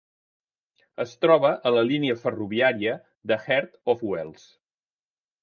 Es troba a la línia ferroviària de Heart of Wales.